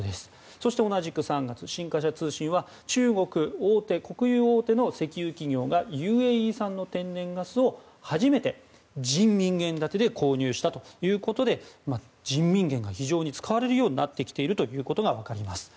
そして同じく３月新華社通信は中国国有大手の石油企業がＵＡＥ産の天然ガスを初めて人民元建てで購入したということで人民元が非常に使われるようになってきているということがわかります。